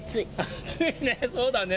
暑いね、そうだね。